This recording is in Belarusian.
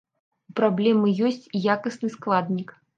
У праблемы ёсць і якасны складнік.